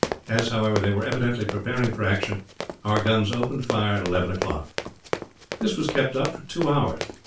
As, however, they were evidently preparing for action, our guns opened fire at eleven o'clock. This was kept up for two hours.